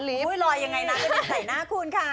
ลอยยังไงน้ำสาปใส่หน้าคุณคะ